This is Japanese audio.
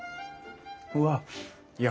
うわっいや